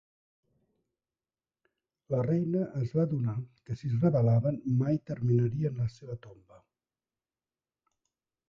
La reina es va adonar que si es rebel·laven, mai terminarien la seva tomba.